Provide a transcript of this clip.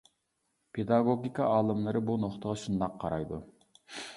پېداگوگىكا ئالىملىرى بۇ نۇقتىغا شۇنداق قارايدۇ.